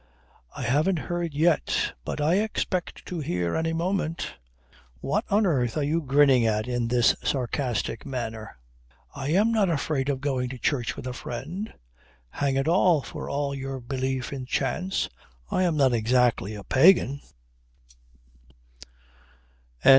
"I haven't heard yet; but I expect to hear any moment ... What on earth are you grinning at in this sarcastic manner? I am not afraid of going to church with a friend. Hang it all, for all my belief in Chance I am not exactly a pagan